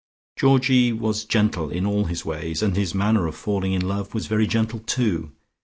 Georgie was gentle in all his ways, and his manner of falling in love was very gentle, too.